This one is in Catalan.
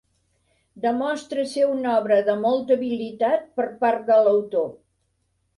Demostra ser una obra de molta habilitat per part de l'autor.